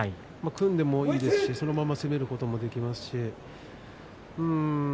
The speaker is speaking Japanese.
組んでもいいですしそのまま攻めることもできますし。